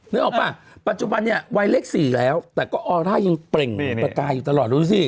นึกออกป่ะปัจจุบันเนี่ยวัยเลข๔แล้วแต่ก็ออร่ายังเปล่งประกายอยู่ตลอดรู้สิ